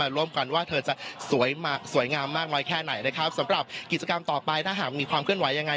ร่วมกันว่าเธอจะสวยงามมากน้อยแค่ไหนนะครับสำหรับกิจกรรมต่อไปถ้าหากมีความเคลื่อนไหวยังไง